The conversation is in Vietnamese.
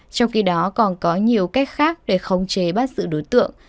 trong khi đó còn có nhiều cách khác để khống chế bắt giữ đối tượng